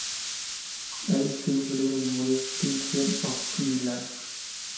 Ahí escribió su libro de memorias: "Ten Years of My Life".